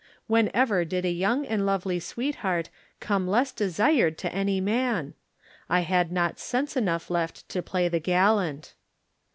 When ever did a young and lovely sweetheart come less desired to any man? I had not sense enough left to play the gallant.